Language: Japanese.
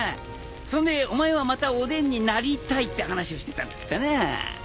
そんでお前はまたおでんになりたいって話をしてたんだったな！